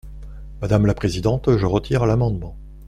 Madame la présidente, je retire l’amendement.